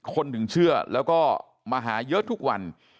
คนถึงเชื่อแล้วก็มาหาเยอะทุกวัน